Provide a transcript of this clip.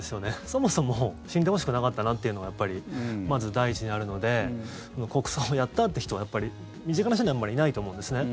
そもそも死んでほしくなかったなっていうのがやっぱり、まず第一にあるので国葬も、やった！という人は身近な人にはあまりいないと思うんですね。